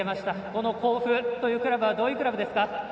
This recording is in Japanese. この甲府というクラブはどういうクラブですか？